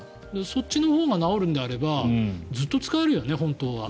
そっちのほうが直るのであればずっと使えるよね、本当は。